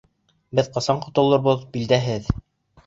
Беҙҙең ҡасан ҡотолоробоҙ билдәһеҙ...